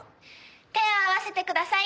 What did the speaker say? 手を合わせてください。